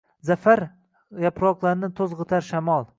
Za’far yaproqlarni to‘zg‘itar shamol.